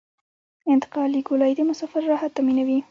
انتقالي ګولایي د مسافرو راحت تامینوي